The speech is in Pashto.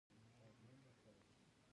په پسرلي کې د نیالګیو کمپاین کیږي.